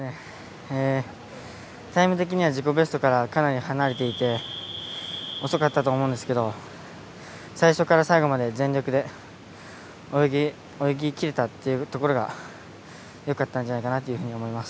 タイム的には自己ベストからかなり離れていて遅かったと思うんですけど最初から最後まで全力で泳ぎきれたというところがよかったんじゃないかなと思います。